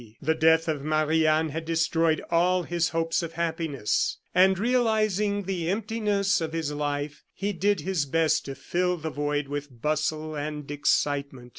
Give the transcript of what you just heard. The death of Marie Anne had destroyed all his hopes of happiness; and realizing the emptiness of his life, he did his best to fill the void with bustle and excitement.